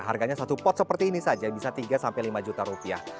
harganya satu pot seperti ini saja bisa tiga sampai lima juta rupiah